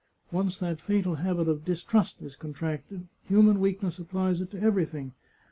Once that fatal habit of distrust is contracted, human weakness applies it to everything.